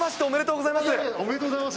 おめでとうございます。